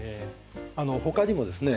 ほかにもですね